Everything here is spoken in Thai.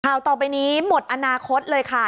ต่อไปนี้หมดอนาคตเลยค่ะ